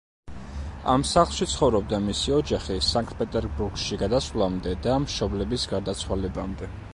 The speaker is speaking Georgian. ამ სახლში ცხოვრობდა მისი ოჯახი სანქტ-პეტერბურგში გადასვლამდე და მშობლების გარდაცვალებამდე.